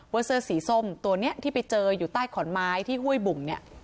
เสื้อสีส้มตัวนี้ที่ไปเจออยู่ใต้ขอนไม้ที่ห้วยบุ่มเนี่ย